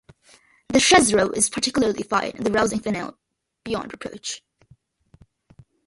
The Scherzo is particularly fine and the rousing finale beyond reproach.